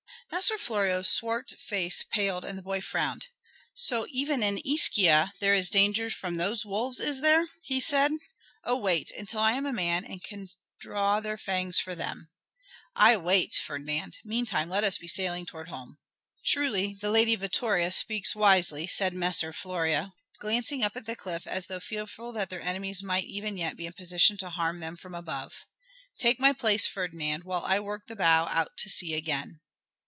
Messer Florio's swart face paled and the boy frowned. "So even in Ischia there is danger from those wolves, is there?" said he. "Oh, wait until I am a man, and can draw their fangs for them." "Aye, wait, Ferdinand. Meantime let us be sailing towards home." "Truly, the Lady Vittoria speaks wisely," said Messer Florio, glancing up at the cliff as though fearful that their enemies might even yet be in position to harm them from above. "Take my place, Ferdinand, while I work the bow out to sea again."